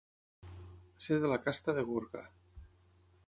Ser de la casta de Gorga.